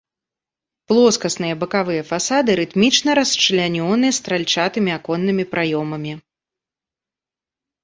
Плоскасныя бакавыя фасады рытмічна расчлянёны стральчатымі аконнымі праёмамі.